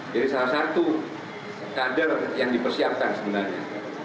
jadi salah satu kader yang dipersiapkan sebenarnya